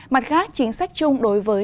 mặt khác chính sách chung đối với